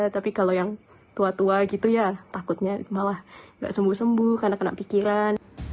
tapi kalau yang tua tua gitu ya takutnya malah gak sembuh sembuh karena kena pikiran